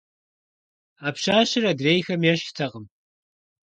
А пщащэр адрейхэм ещхьтэкъым.